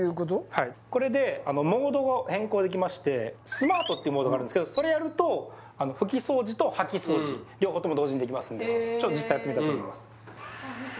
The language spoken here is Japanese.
はいこれでモードを変更できましてスマートってモードがあるんですけどそれやると拭き掃除と掃き掃除両方とも同時にできますんでちょっと実際やってみたいと思います